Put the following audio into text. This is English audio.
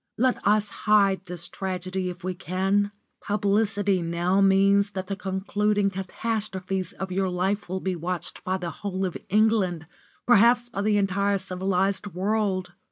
Let us hide this tragedy if we can. Publicity now means that the concluding catastrophes of your life will be watched by the whole of England perhaps by the entire civilised world.